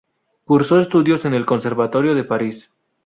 Cursó estudios en el conservatorio de París.